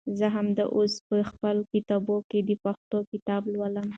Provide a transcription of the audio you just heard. زه همدا اوس په خپل کتابتون کې د پښتو کتاب لولم.